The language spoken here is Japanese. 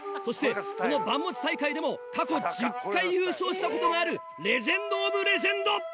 そしてこの盤持ち大会でも過去１０回優勝したことがあるレジェンドオブレジェンド！